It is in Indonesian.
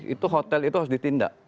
itu hotel itu harus ditindak